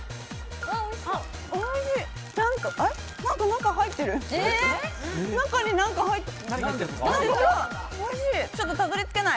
おいしい。